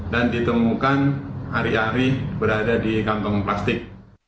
dan ditemukan hari hari berada di kantong plastik